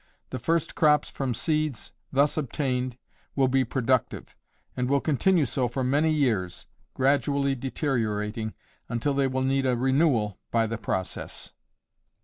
The first crops from seeds thus obtained will be productive, and will continue so for many years, gradually deteriorating, until they will need a renewal by the process.